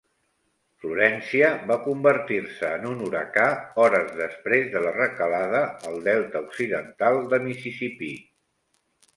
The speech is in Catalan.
Florència va convertir-se en un huracà hores després de la recalada al delta occidental de Mississipí.